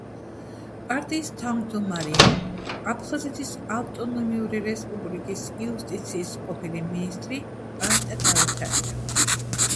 პარტიის თავმჯდომარეა აფხაზეთის ავტონომიური რესპუბლიკის იუსტიციის ყოფილი მინისტრი პაატა დავითაია.